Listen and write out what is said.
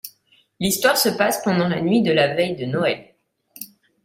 L’histoire se passe pendant la nuit de la veille de Noël.